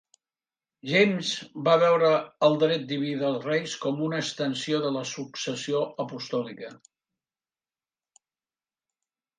James va veure el dret diví dels reis com una extensió de la successió apostòlica.